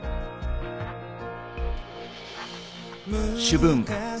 主文。